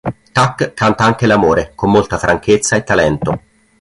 Tak canta anche l'amore, con molta franchezza e talento.